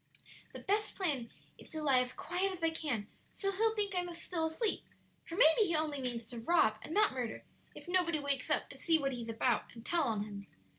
The best plan is to lie as quiet as I can, so he'll think I'm still asleep; for maybe he only means to rob, and not murder, if nobody wakes up to see what he's about and tell of him.